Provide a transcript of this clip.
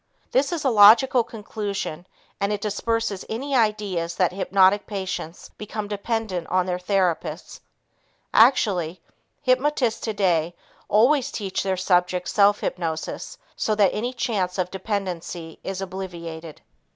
This is a logical conclusion and it disperses any ideas that hypnotic patients become dependent on their therapists. Actually, hypnotists today always teach their subjects self hypnosis so that any chance of dependency is obviated.